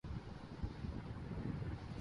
وہ ناراض ہے